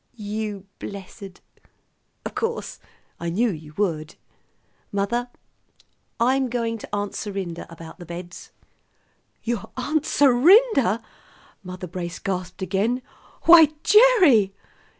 "You blessed! Of course, I knew you would. Mother, I'm going to Aunt Serinda about the beds." "Your Aunt Serinda?" Mother Brace gasped again. "Why, Gerry!"